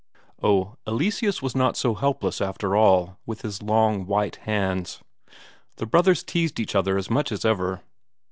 Oh, Eleseus was not so helpless after all, with his long, white hands. The brothers teased each other as much as ever.